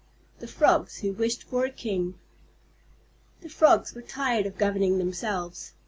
_ THE FROGS WHO WISHED FOR A KING The Frogs were tired of governing themselves.